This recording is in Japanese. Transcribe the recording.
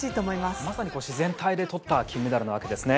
まさに全体でとった金メダルなわけですね。